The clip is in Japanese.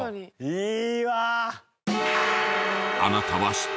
いいわ！